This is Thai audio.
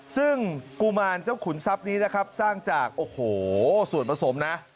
ซึ่งกุมารเจ้าขุนทรัพย์นี้นะครับสร้างจากโอ้โหส่วนผสมนะ